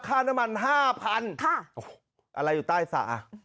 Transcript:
ค่าน้ำมัน๕๐๐อะไรอยู่ใต้สระ